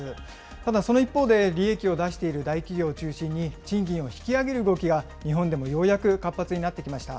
ただ、その一方で利益を出している大企業を中心に賃金を引き上げる動きが日本でもようやく活発になってきました。